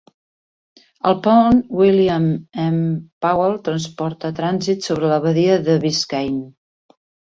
El pont William M. Powell transporta trànsit sobre la badia de Biscayne.